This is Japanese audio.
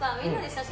写真？